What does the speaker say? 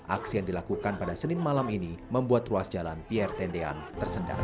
aksi yang dilakukan pada senin malam ini membuat ruas jalan pier tendean tersendat